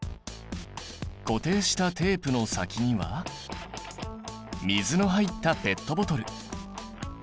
固定したテープの先には水の入ったペットボトル。